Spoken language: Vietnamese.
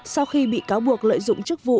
sau khi bị cáo buộc lợi dụng chức vụ